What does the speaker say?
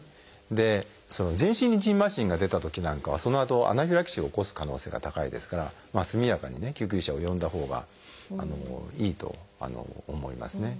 で全身にじんましんが出たときなんかはそのあとアナフィラキシーを起こす可能性が高いですから速やかに救急車を呼んだほうがいいと思いますね。